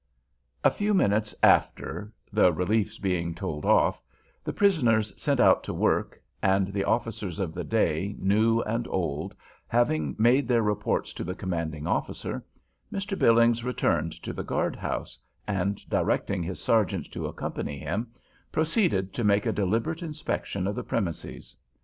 A few minutes after, the reliefs being told off, the prisoners sent out to work, and the officers of the day, new and old, having made their reports to the commanding officer, Mr. Billings returned to the guard house, and, directing his sergeant to accompany him, proceeded to make a deliberate inspection of the premises.